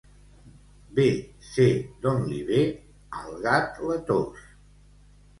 Bé sé d'on li ve al gat la tos.